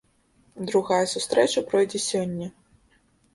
Другая сустрэча пройдзе сёння.